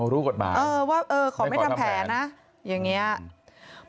รู้กฎหมายไม่ก่อนทำแผนนะอย่างนี้เออว่าขอไม่ทำแผน